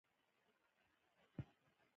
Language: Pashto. کله چې مې د کورونو دېوالونو ته وکتل، فکر مې وکړ.